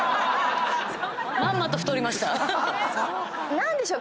何でしょう？